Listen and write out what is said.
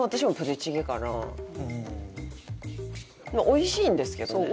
美味しいんですけどね。